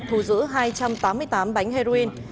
thu giữ hai trăm tám mươi tám bánh heroin